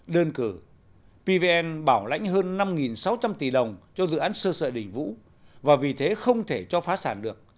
đơn cử pvn bảo lãnh hơn năm sáu trăm linh tỷ đồng cho dự án sơ sợi đình vũ và vì thế không thể cho phá sản được